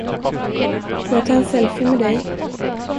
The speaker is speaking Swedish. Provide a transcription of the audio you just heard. Får jag ta en selfie med dig.